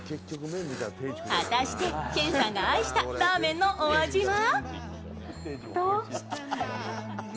果たして健さんが愛したラーメンのお味は？